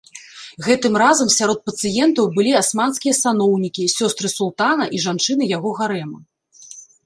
Гэтым разам сярод пацыентаў былі асманскія саноўнікі, сёстры султана і жанчыны яго гарэма.